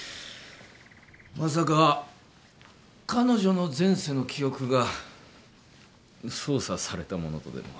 まさか彼女の前世の記憶が操作されたものとでも？